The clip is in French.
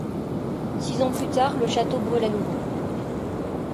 Six ans plus tard, le château brûle à nouveau.